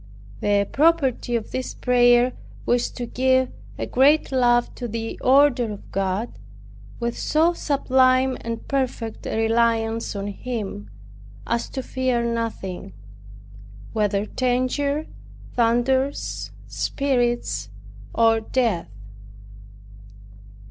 The property of this prayer was to give a great love to the order of God, with so sublime and perfect a reliance on Him, as to fear nothing, whether danger, thunders, spirits, or death.